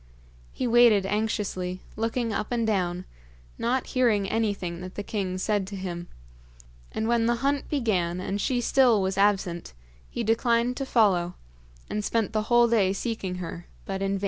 He waited anxiously, looking up and down, not hearing anything that the king said to him; and when the hunt began and she still was absent, he declined to follow, and spent the whole day seeking her, but in vain.